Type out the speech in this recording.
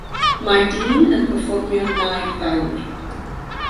mae dyn yn perfformio naid fawr.